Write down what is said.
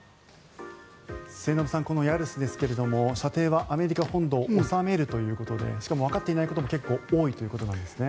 末延さん、このヤルスですが射程はアメリカ本土を収めるということでしかもわかっていないことも結構多いということなんですね。